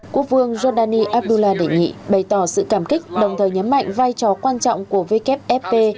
quốc vương giordani abdullah đệ nhị bày tỏ sự cảm kích đồng thời nhấn mạnh vai trò quan trọng của wfp